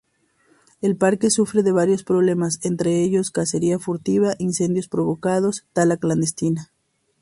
El parque sufre de varios problemas, entre ellos: cacería furtiva, incendios provocados, tala clandestina.